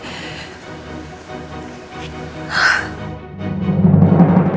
sampai jumpa di video selanjutnya